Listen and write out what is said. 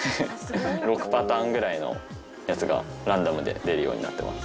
６パターンぐらいのやつがランダムで出るようになってます。